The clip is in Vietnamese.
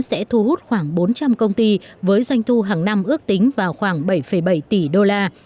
sẽ thu hút khoảng bốn trăm linh công ty với doanh thu hàng năm ước tính vào khoảng bảy bảy tỷ đô la